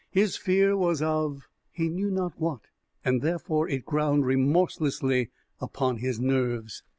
His fear was of he knew not what and therefore it ground remorselessly upon his nerves.